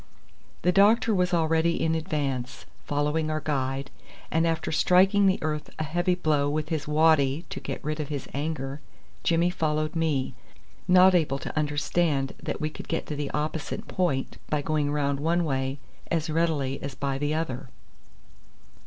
The doctor was already in advance, following our guide, and after striking the earth a heavy blow with his waddy to get rid of his anger, Jimmy followed me, not able to understand that we could get to the opposite point by going round one way as readily as by the other.